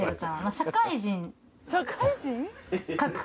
社会人？